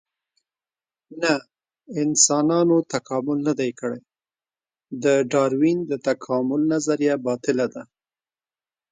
تاسې پوهیږئ چې زموږ خلک له ډير پخوا په سوداګرۍ بوخت و؟